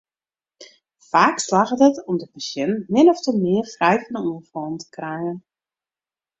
Faak slagget it om de pasjint min ofte mear frij fan oanfallen te krijen.